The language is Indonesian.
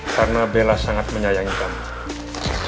karena bella sangat menyayangi kamu